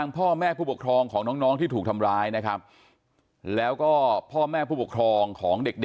พ่อแม่ผู้ปกครองของเด็ก